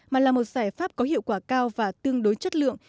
mà là một giải pháp có hiệu quả cao và tương đối chất lượng